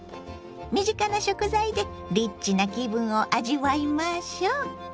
身近な食材でリッチな気分を味わいましょう。